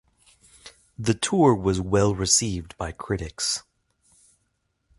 The tour was well received by critics.